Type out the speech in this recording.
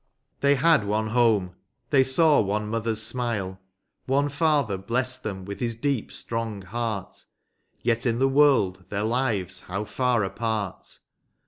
They had one home, they saw one mother s smile, One father blessed them with his deep, strong heart, Yet in the world their lives how far apart